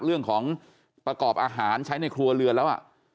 เรื่องของประกอบอาหารใช้ในครัวเรือนแล้ว